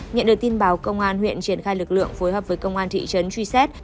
nhận được tin báo công an huyện triển khai lực lượng phối hợp với công an thị trấn truy xét